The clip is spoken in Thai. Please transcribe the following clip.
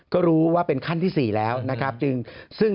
ก็รู้ว่าเป็นขั้นที่สี่แล้วซึ่ง